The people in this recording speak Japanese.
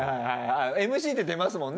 ＭＣって出ますもんね。